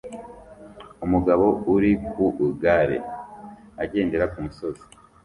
Umugabo uri ku igare agendera ku musozi